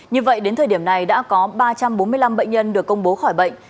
như vậy đến thời điểm này đã có ba trăm bốn mươi năm bệnh nhân được công bố khỏi bệnh